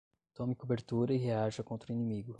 Tome cobertura e reaja contra o inimigo